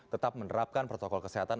tetap menerapkan protokol kesehatan